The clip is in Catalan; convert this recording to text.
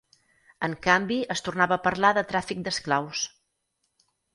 En canvi es tornava a parlar de tràfic d'esclaus.